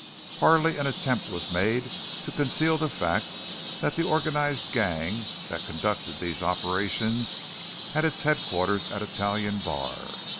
Hardly an attempt was made to conceal the fact that the organized gang that conducted these operations had its headquarters at Italian Bar.